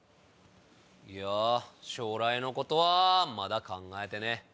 いや将来のことはまだ考えてねえ。